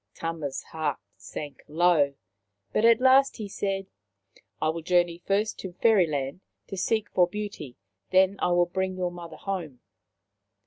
" Tama's heart sank low, but at last he said :" I will journey first to Fairyland to seek for beauty. Then I will bring your mother home."